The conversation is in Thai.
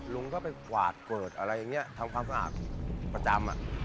ลุงก็ไปกวาดเกิดอะไรอย่างนี้ทำความสะอาดประจำ